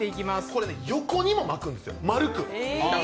これ、横にも巻くんですよ、丸く。